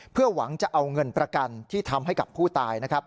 เพื่อหวังจะเอาเงินประกันที่ทำให้กับผู้ตายนะครับ